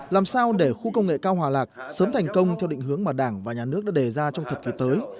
làm sao để khu công nghệ cao hòa lạc sớm thành công theo định hướng mà đảng và nhà nước đã đề ra trong thập kỷ tới